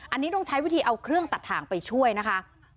อันนี้ต้องใช้วิธีเอาเครื่องตัดถ่างไปช่วยนะคะ